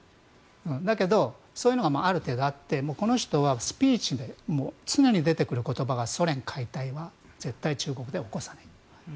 だけど、そういうのがあってこの人はスピーチでも常によく出てくる言葉はソ連解体は絶対中国では起こさない。